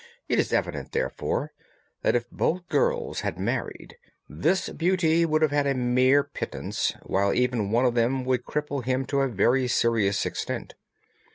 It is evident, therefore, that if both girls had married, this beauty would have had a mere pittance, while even one of them would cripple him to a very serious extent.